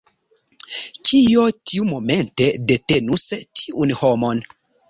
Kio tiumomente detenus tiun homon?